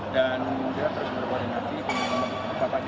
dan memimpinnya terus berkoordinasi dengan pak tengah kisah dan bptj